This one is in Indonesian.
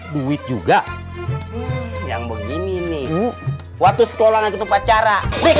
duit juga yang begini nih waktu sekolah dan ketemu pacara